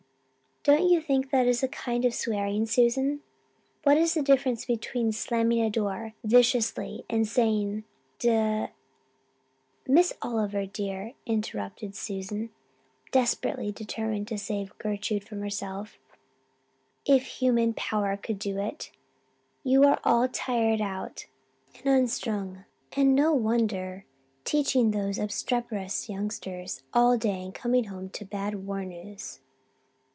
"Don't you think that is a kind of swearing, Susan? What is the difference between slamming a door viciously and saying d " "Miss Oliver dear," interrupted Susan, desperately determined to save Gertrude from herself, if human power could do it, "you are all tired out and unstrung and no wonder, teaching those obstreperous youngsters all day and coming home to bad war news.